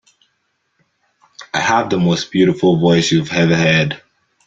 I have the most beautiful voice you have ever heard.